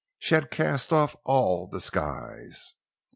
She had cast off all disguise.